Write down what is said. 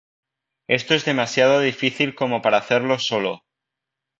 Esto es demasiado difícil como para hacerlo solo.